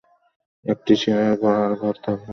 একটা সিঁড়ির গোড়ার ঘর থাকবে।